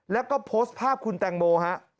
แล้วก็โพสต์ภาพคุณแตงโมฮะ